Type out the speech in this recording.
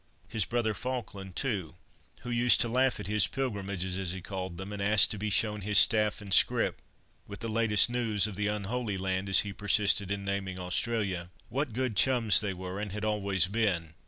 His brother Falkland too, who used to laugh at his pilgrimages, as he called them, and ask to be shown his staff and scrip, with the last news of the Unholy Land, as he persisted in naming Australia. What good chums they were, and had always been!